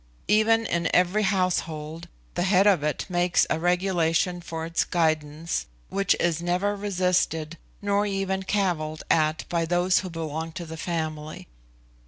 Even in every household the head of it makes a regulation for its guidance, which is never resisted nor even cavilled at by those who belong to the family.